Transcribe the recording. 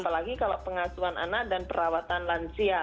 apalagi kalau pengasuhan anak dan perawatan lansia